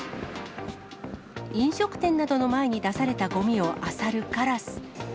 飲食店などの前に出されたごみをあさるカラス。